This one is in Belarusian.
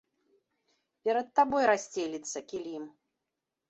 Перад табой рассцелецца, кілім.